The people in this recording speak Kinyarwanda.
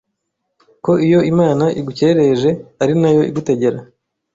ko iyo Imana igucyereje ari nayo igutegera